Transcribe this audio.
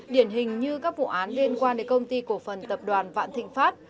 điển hình như các vụ án liên quan đến công ty cổ phần tập đoàn vạn thịnh pháp